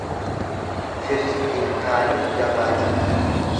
Firri ilkaanii gabaa jira.